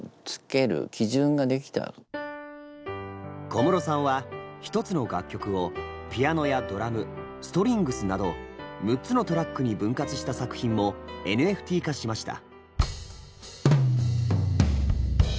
小室さんは１つの楽曲をピアノやドラムストリングスなど６つのトラックに分割した作品もＮＦＴ化しました。